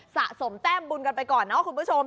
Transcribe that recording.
สะสมแต้มบุญกันไปก่อนเนาะคุณผู้ชม